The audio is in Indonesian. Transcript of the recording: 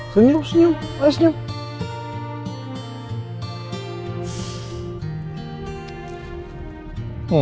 senyum senyum ayo senyum